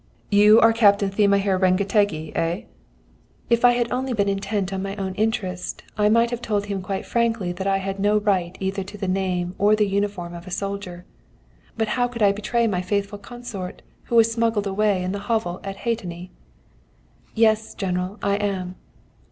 "'You are Captain Tihamér Rengetegi, eh?' "If I had only been intent on my own interest, I might have told him quite frankly that I had no right either to the name or the uniform of a soldier; but how could I betray my faithful consort who was smuggled away in the hovel at Hetény? "'Yes, General, I am.'